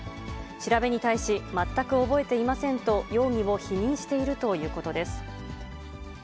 調べに対し、全く覚えていませんと、容疑を否認しているということです。